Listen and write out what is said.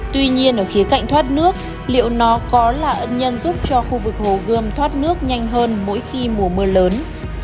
tuy nhiên ở khía cạnh thoát nước liệu nó có là ân nhân giúp cho khu vực hồ gươm thoát nước nhanh hơn mỗi khi mùa mưa lớn